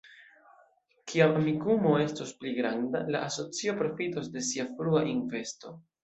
Kiam Amikumu estos pli granda, la asocio profitos de sia frua investo.